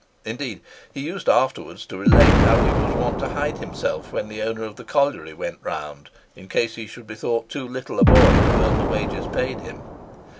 Indeed, he used afterwards to relate how he was wont to hide himself when the owner of the colliery went round, in case he should be thought too little a boy to earn the wages paid him.